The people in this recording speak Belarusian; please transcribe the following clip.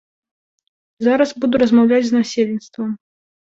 Зараз буду размаўляць з насельніцтвам.